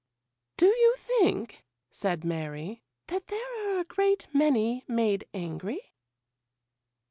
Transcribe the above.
'Do you think,' said Mary, 'that there are a great many made angry?